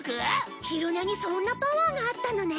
昼寝にそんなパワーがあったのね！